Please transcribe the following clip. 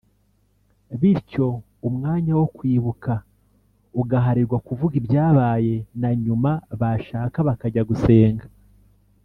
bityo umwanya wo kwibuka ugaharirwa kuvuga ibyabaye na nyuma bashaka bakajya gusenga